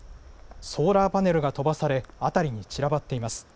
ソーラーパネルが飛ばされ、辺りに散らばっています。